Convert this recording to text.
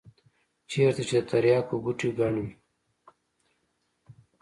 چېرته چې د ترياکو بوټي گڼ وي.